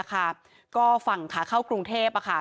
ก็ฝั่งขาเข้ากรุงเทพ